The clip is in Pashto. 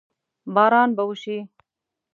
باران به وشي؟